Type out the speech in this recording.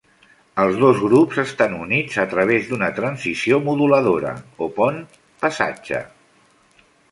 Els dos grups estan units a través d'una transició moduladora, o pont, passatge.